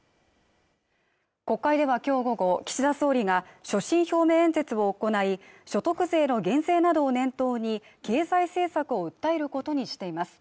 国会ではきょう午後岸田総理が所信表明演説を行い所得税の減税などを念頭に経済政策を訴えることにしています